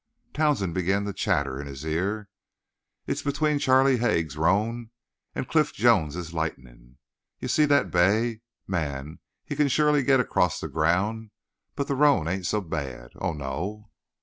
Townsend began to chatter in his ear: "It's between Charlie Haig's roan and Cliff Jones's Lightning You see that bay? Man, he can surely get across the ground. But the roan ain't so bad. Oh, no!"